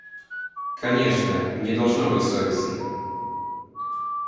Конечно, мне должно быть совестно.